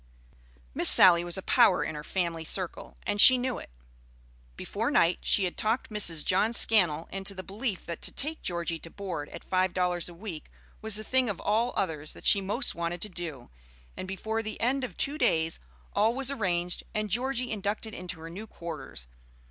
Miss Sally was a power in her family circle, and she knew it. Before night she had talked Mrs. John Scannell into the belief that to take Georgie to board at five dollars a week was the thing of all others that she most wanted to do; and before the end of two days all was arranged, and Georgie inducted into her new quarters.